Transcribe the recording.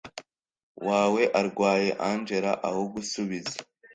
wawe arwaye angella aho gusubiza